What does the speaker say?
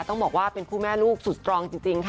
ต้องบอกว่าเป็นคู่แม่ลูกสุดสตรองจริงค่ะ